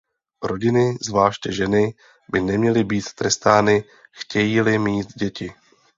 Rodiny, zvláště ženy, by neměly být trestány, chtějí-li mít děti.